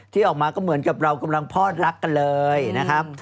ที่ออกมาก็เหมือนกับเรากำลังพอดรักกันเลยนะครับ